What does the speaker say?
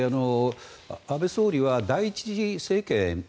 安倍総理は第１次政権